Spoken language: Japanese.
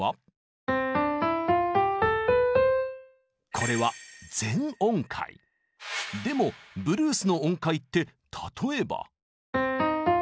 これはでもブルースの音階って例えば。